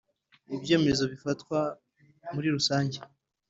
ibyemezo bifatwa murirusange.